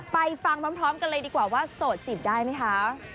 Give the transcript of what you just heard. ไปฟังพร้อมกันเลยดีกว่าว่าโสดจีบได้ไหมคะ